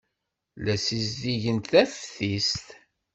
La ssizdigent taftist.